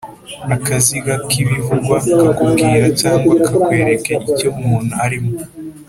akaziga k'ibivugwa kakubwira cyangwa kakwereka icyo umuntu arimo